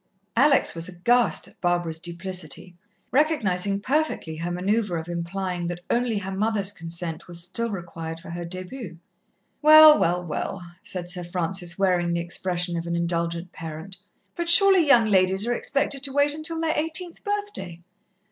Alex was aghast at Barbara's duplicity, recognizing perfectly her manoeuvre of implying that only her mother's consent was still required for her début. "Well, well, well," said Sir Francis, wearing the expression of an indulgent parent; "but surely young ladies are expected to wait till their eighteenth birthday?"